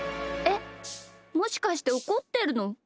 えっもしかしておこってるの？